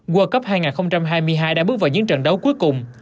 world cup hai nghìn hai mươi hai đã bước vào những trận đấu cuối cùng